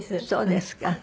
そうですか。